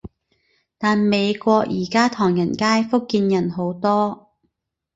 但美國而家唐人街，福建人好多